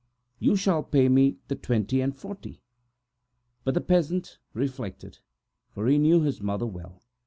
You shall pay me the twenty and forty." But the peasant reflected, for he knew his mother well.